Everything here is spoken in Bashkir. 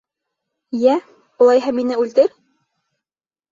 Йә, улайһа мине үлтер.